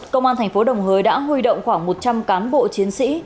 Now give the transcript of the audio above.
công an thành phố đồng hới đã huy động khoảng một trăm linh cán bộ chiến sĩ